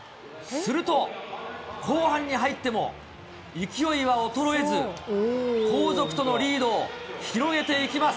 すると、後半に入っても、勢いは衰えず、後続とのリードを広げていきます。